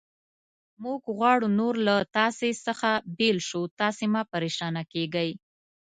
موږ غواړو نور له تاسې څخه بېل شو، تاسې مه پرېشانه کېږئ.